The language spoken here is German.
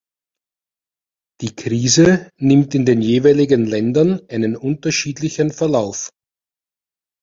Die Krise nimmt in den jeweiligen Ländern einen unterschiedlichen Verlauf.